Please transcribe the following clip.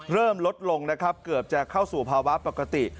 เริ่มลดลงนะครับเกือบจะเข้าสู่ภาวะปกติ